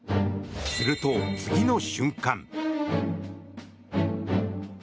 すると次の瞬間。